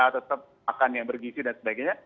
tetap makan yang bergisi dan sebagainya